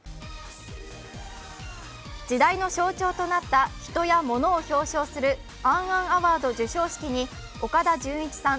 時代の象徴となった人やものを表彰するａｎ・ａｎＡＷＡＲＤ授賞式に岡田准一さん